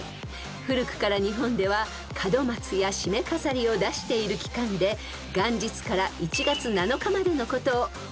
［古くから日本では門松やしめ飾りを出している期間で元日から１月７日までのことを］